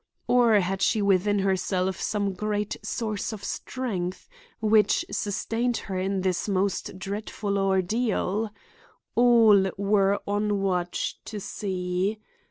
Or had she within herself some great source of strength, which sustained her in this most dreadful ordeal? All were on watch to see.